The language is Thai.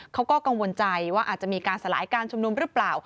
เขาก็กังวลใจว่าอาจจะมีการสลายการชุมนุมหรือเปล่า